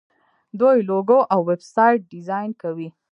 دوی لوګو او ویب سایټ ډیزاین کوي.